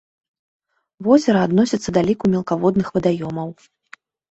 Возера адносіцца да ліку мелкаводных вадаёмаў.